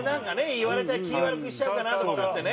言われたら気ぃ悪くしちゃうかなとか思ってね。